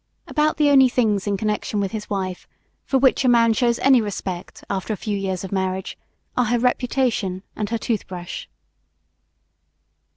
About the only things in connection with his wife for which a man shows any respect after a few years of marriage are her reputation and her toothbrush.